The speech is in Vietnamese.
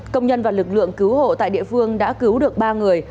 công nhân và lực lượng cứu hộ tại địa phương đã cứu được ba người